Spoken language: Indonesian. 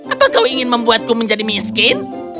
apa kau ingin membuatku menjadi miskin